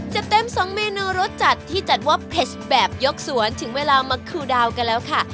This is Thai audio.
เต็มสองเมนูรสจัดที่จัดว่าเผ็ดแบบยกสวนถึงเวลามาคูดาวกันแล้วค่ะ